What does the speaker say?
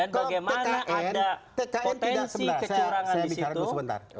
tkn tidak mempersoalkan situng